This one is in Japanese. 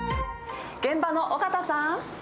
現場の尾形さん！